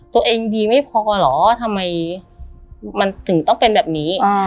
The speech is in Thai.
ตัวเองดีไม่พอเหรอทำไมมันถึงต้องเป็นแบบนี้